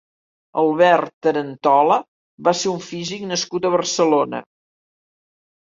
Albert Tarantola va ser un físic nascut a Barcelona.